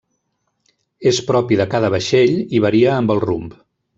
És propi de cada vaixell, i varia amb el rumb.